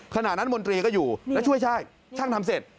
ขณะนั้นมนตรีก็อยู่แล้วช่วยใช่ช่างทำเสร็จ